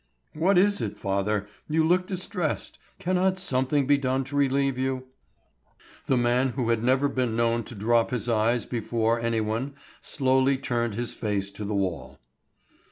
"What is it, father? You look distressed; cannot something be done to relieve you?" The man who had never been known to drop his eyes before anyone slowly turned his face to the wall.